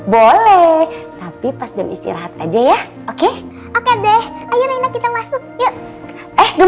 boleh tapi pas jam istirahat aja ya oke